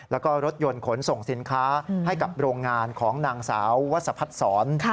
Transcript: แล้วก็รถยนต์ขนส่งสินค้าให้กับโรงงานของนางสาววัสพัฒนศร